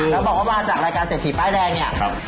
แล้วบอกว่ามาจากรายการเศรษฐีป้ายแดงเนี่ย